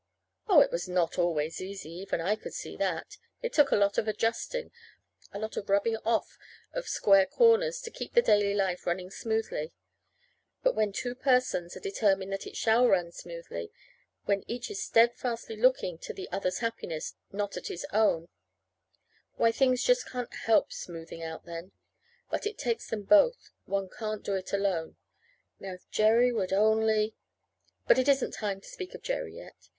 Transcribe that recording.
Oh, it was not always easy even I could see that. It took a lot of adjusting a lot of rubbing off of square corners to keep the daily life running smoothly. But when two persons are determined that it shall run smoothly when each is steadfastly looking to the other's happiness, not at his own why, things just can't help smoothing out then. But it takes them both. One can't do it alone. Now, if Jerry would only But it isn't time to speak of Jerry yet.